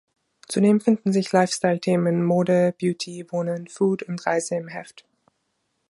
Zudem finden sich Lifestyle-Themen Mode, Beauty, Wohnen, Food und Reise im Heft.